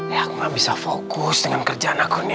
ya aku gak bisa fokus dengan kerjaan aku nih